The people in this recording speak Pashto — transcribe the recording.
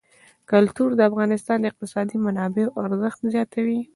کلتور د افغانستان د اقتصادي منابعو ارزښت زیاتوي.